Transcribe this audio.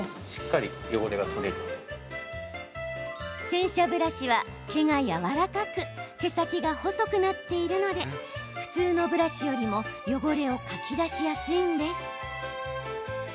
洗車ブラシは毛がやわらかく毛先が細かくなっているので普通のブラシよりも汚れをかき出しやすいんです。